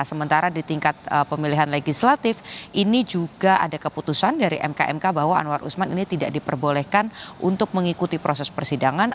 sementara di tingkat pemilihan legislatif ini juga ada keputusan dari mk mk bahwa anwar usman ini tidak diperbolehkan untuk mengikuti proses persidangan